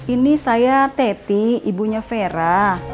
ini saya teti ibunya vera